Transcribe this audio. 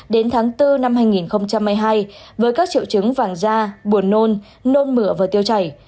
đến tháng bốn năm hai nghìn hai mươi hai với các triệu chứng vàng da buồn nôn nôn mửa và tiêu chảy